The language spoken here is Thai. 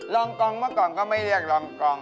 รองกองเมื่อก่อนก็ไม่เรียกรองกอง